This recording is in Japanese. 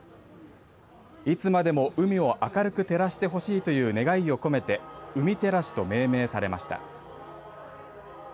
いつまでも海を明るく照らしてほしいという願いを込めてうみてらしと命名されました。